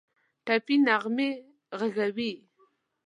ټپي نغمې ږغوي